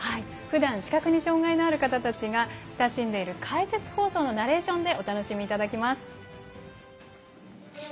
ふだん視覚に障がいのある方たちが親しんでいる解説放送のナレーションでご覧いただきます。